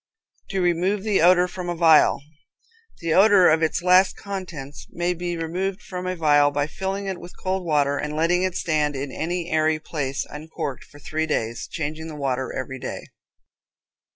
To Remove the Odor from a Vial. The odor of its last contents may be removed from a vial by filling it with cold water, and letting it stand in any airy place uncorked for three days, changing the water every day.